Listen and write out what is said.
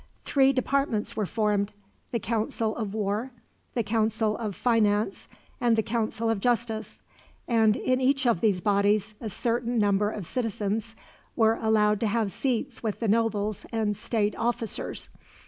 Three departments were formed: the Council of War, the Council of Finance, and the Council of Justice; and in each of these bodies, a certain number of citizens were allowed to have seats with the nobles and state officers.